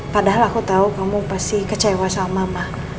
padahal aku tahu kamu pasti kecewa soal mama